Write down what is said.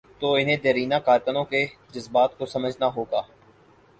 تو انہیں دیرینہ کارکنوں کے جذبات کو سمجھنا ہو گا۔